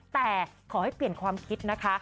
แต่ขอให้เปลี่ยนความคิดนะคะ